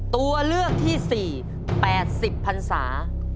ตัวเลือกที่๔๘๐พันศา